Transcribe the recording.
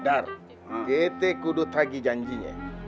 dar kita harus menjaga janjinya